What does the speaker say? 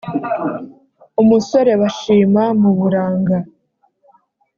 umusore bashima mu buranga